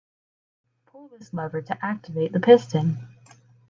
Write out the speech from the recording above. Pull this lever to activate the piston.